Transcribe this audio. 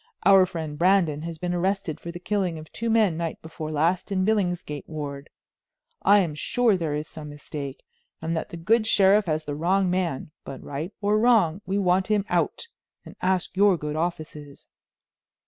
Our friend Brandon has been arrested for the killing of two men night before last in Billingsgate ward. I am sure there is some mistake, and that the good sheriff has the wrong man; but right or wrong, we want him out, and ask your good offices."